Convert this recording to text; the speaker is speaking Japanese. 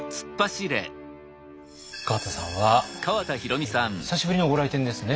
川田さんは久しぶりのご来店ですね。